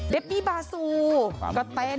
เดปปี้บาซูก็เต้น